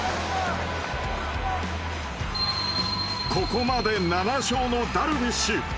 ここまで７勝のダルビッシュ。